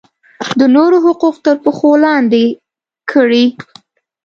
د نورو حقوق تر پښو لاندې کړي.